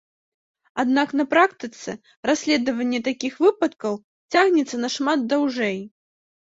Аднак на практыцы расследаванне такіх выпадкаў цягнецца нашмат даўжэй.